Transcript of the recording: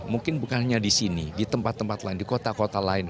mungkin bukan hanya di sini di tempat tempat lain di kota kota lain